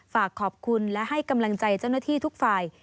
ฝากขอบคุณและให้กำลังใจเจ้าหน้าที่ทุกฝ่าย